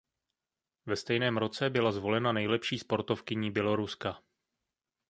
Ve stejném roce byla zvolena nejlepší sportovkyní Běloruska.